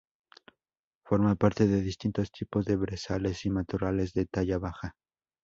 Forma parte de distintos tipos de brezales y matorrales de talla baja.